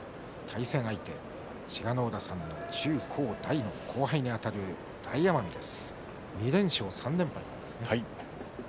対戦相手千賀ノ浦さん中学、高校、大学の後輩にあたる大奄美です。